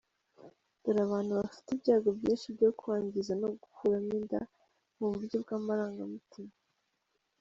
Dore abantu bafite ibyago byinshi byo kwangizwa no gukuramo inda mu buryo bw’amarangamutima:.